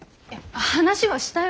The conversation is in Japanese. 話はしたよ。